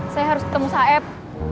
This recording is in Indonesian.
saya harus ketemu saeb